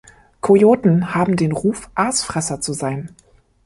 Kojoten haben den Ruf, Aasfresser zu sein.